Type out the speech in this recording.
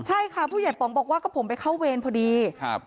ใช่ค่ะผู้ใหญ่ป๋องบอกว่าก็ผมไปเข้าเวรพอดีครับ